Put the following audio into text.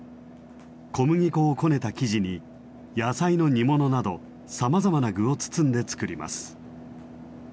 小麦粉をこねた生地に野菜の煮物などさまざまな具を包んで作ります。